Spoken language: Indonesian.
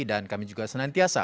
dan kami juga senantiasa